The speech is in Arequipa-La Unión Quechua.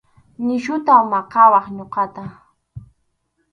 Nisyuta maqawaq ñuqata.